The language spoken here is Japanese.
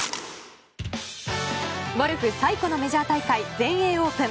ゴルフ最古のメジャー大会全英オープン。